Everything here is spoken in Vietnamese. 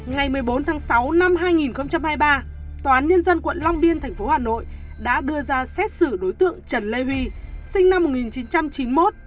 ngày một mươi bốn tháng sáu năm hai nghìn hai mươi ba tòa án nhân dân quận long biên tp hà nội đã đưa ra xét xử đối tượng trần lê huy sinh năm một nghìn chín trăm chín mươi một